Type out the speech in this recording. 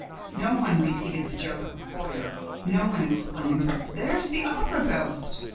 No one repeated the joke of the foyer, no one exclaimed: "There's the Opera ghost!"